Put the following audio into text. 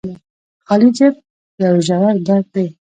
خالي جب يو ژور درد دې